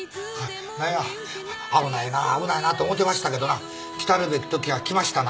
何や危ないな危ないなと思ってましたけどな来るべきときが来ましたな。